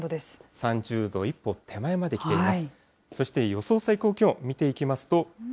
３０度一歩手前まで来ています。